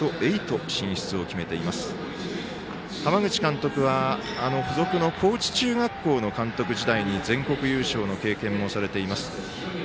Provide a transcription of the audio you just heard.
ベスト８進出を決めています浜口監督は付属の高知中学校の監督時代に、全国優勝の経験もされています。